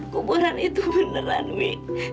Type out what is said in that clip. kuburan itu beneran wi